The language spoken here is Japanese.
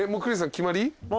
決まり？